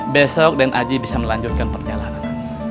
besok dan aji bisa melanjutkan perjalanan